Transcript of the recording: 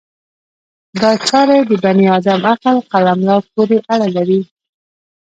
دا چارې د بني ادم عقل قلمرو پورې اړه لري.